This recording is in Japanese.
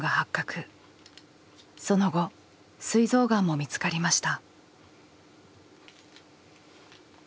その後すい臓がんも見つかりました。